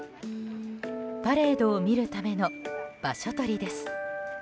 パレードを見るための場所取りです。